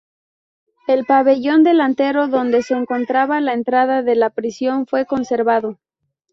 El pabellón delantero, donde se encontraba la entrada de la prisión, fue conservado.